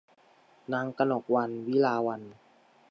นางกนกวรรณ วิลาวัลย์